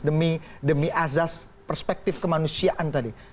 demi azas perspektif kemanusiaan tadi